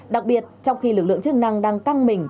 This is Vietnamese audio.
đặc biệt trong khi lực lượng chức năng đang căng mình